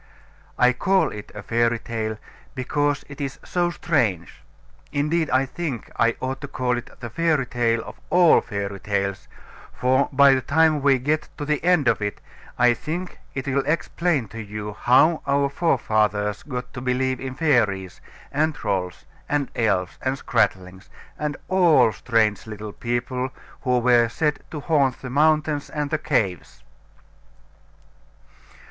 I call it a fairy tale, because it is so strange; indeed I think I ought to call it the fairy tale of all fairy tales, for by the time we get to the end of it I think it will explain to you how our forefathers got to believe in fairies, and trolls, and elves, and scratlings, and all strange little people who were said to haunt the mountains and the caves.